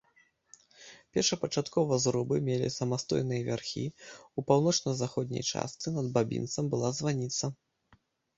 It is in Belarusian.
Першапачаткова зрубы мелі самастойныя вярхі, у паўночна-заходняй частцы над бабінцам была званіца.